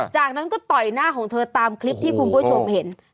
จากนั้นก็ต่อยหน้าของเธอตามคลิปที่คุณผู้ชมเห็น